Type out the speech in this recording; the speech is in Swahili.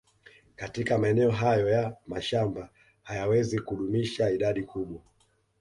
Katika maeneo hayo ya mashamba hayawezi kudumisha idadi kubwa